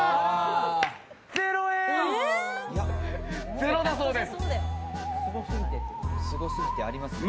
ゼロだそうです。